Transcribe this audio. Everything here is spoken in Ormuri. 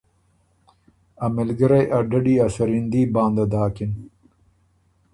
ا مِلګِرئ ا ډډی ا سریندي بانده داکِن۔